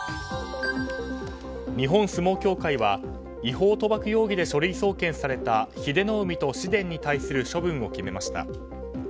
日本相撲協会は違法賭博容疑で書類送検された英乃海と紫雷に対する処分を決めました。